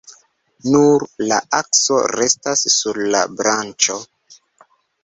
Nur la akso restas sur la branĉo.